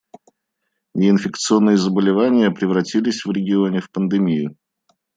Неинфекционные заболевания превратились в регионе в пандемию.